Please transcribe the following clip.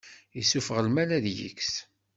Yessufeɣ lmal ad yeks.